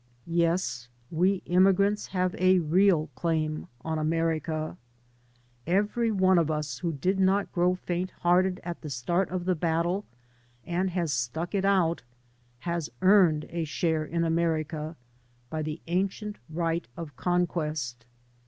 Yes, we immigrants have a real daim on America. Every one of us who did not grow faint hearted at the start of the battle and has stuck it out has earned a share in America by the ancient right of conquest.